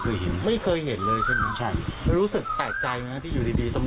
ก็เลยไม่รู้เลยเออไม่รู้